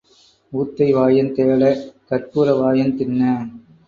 ஊத்தை வாயன் தேடக் கர்ப்பூர வாயன் தின்ன.